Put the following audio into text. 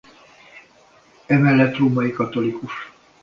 Emellett római katolikus.